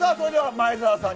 前澤さん。